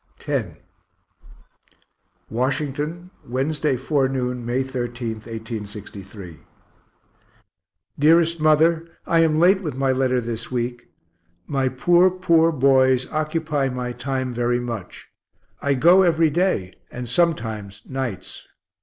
X Washington, Wednesday forenoon, May 13, 1863. DEAREST MOTHER I am late with my letter this week my poor, poor boys occupy my time very much I go every day, and sometimes nights.